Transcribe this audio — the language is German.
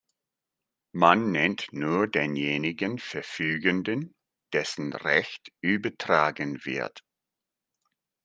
Man nennt nur denjenigen Verfügenden, dessen Recht übertragen wird.